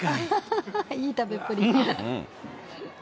いい食べっぷり。